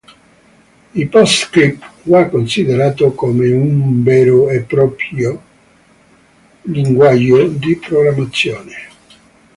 Il Postscript va considerato come un vero e proprio linguaggio di programmazione.